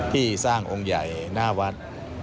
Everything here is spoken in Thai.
ที่สร้างองค์ใหญ่หน้าวัด